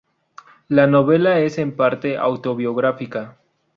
La novela es en parte autobiográfica.